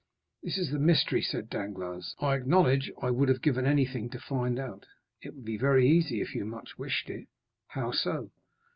"This is the mystery," said Danglars. "I acknowledge I would have given anything to find it out." "It would be very easy if you much wished it?" "How so?"